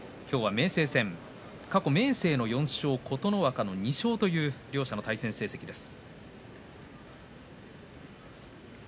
過去、明生は４勝琴ノ若の２勝という両者の対戦成績です。